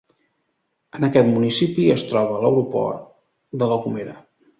En aquest municipi es troba l'aeroport de La Gomera.